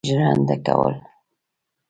ژرنده کول.